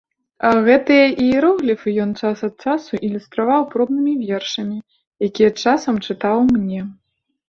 Гэтыя іерогліфы ён час ад часу ілюстраваў пробнымі вершамі, якія часам чытаў мне.